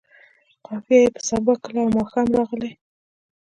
قافیه یې په سبا، کله او ماښام راغلې.